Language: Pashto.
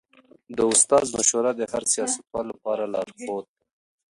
د استاد مشوره د هر سياستوال لپاره لارښود ده.